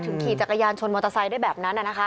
ขี่จักรยานชนมอเตอร์ไซค์ได้แบบนั้น